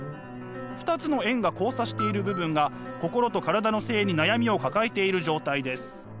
２つの円が交差している部分が心と体の性に悩みを抱えている状態です。